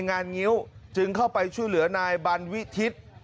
งานงิ้วจึงเข้าไปช่วยเหลือนายบันวิทิศ